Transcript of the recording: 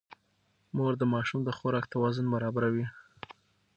مور د ماشوم د خوراک توازن برابروي.